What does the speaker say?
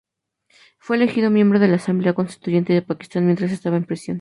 Fue elegido miembro de la Asamblea Constituyente de Pakistán, mientras estaba en prisión.